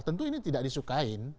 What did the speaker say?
tentu ini tidak disukain